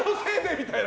みたいな。